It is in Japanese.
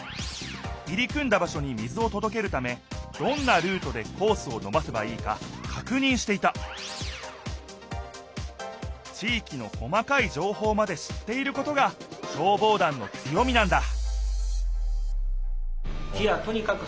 入り組んだ場しょに水をとどけるためどんなルートでホースをのばせばいいかかくにんしていた地いきの細かい情報まで知っていることが消防団の強みなんだ